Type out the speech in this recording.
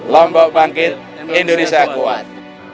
lombok bangkit indonesia kuat